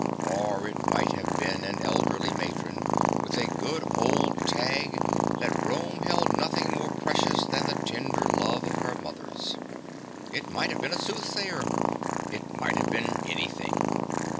Or it might have been an elderly matron, with a good old tag that Rome held nothing more precious than the tender love of her mothers. It might have been a soothsayer, it might have been anything.